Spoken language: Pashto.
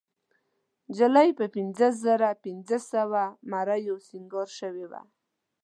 نجلۍ په پينځهزرهپینځهسوو مریو سینګار شوې وه.